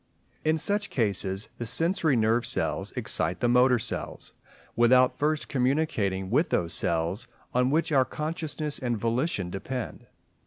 In such cases the sensory nerve cells excite the motor cells, without first communicating with those cells on which our consciousness and volition depend.